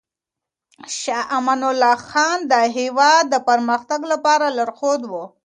شاه امان الله خان د هېواد د پرمختګ لپاره لارښود و.